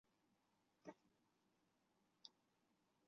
氟西汀类抗抑郁药。